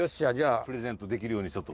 プレゼントできるようにちょっと。